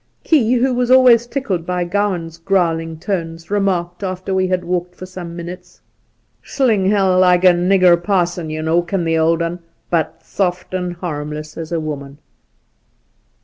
Key, who was always tickled by Gowan's growling tones, remarked after we had walked for some minutes : '"Sling hell like a nigger parson, you know, can the old 'un, but soft and harmless as a woman.'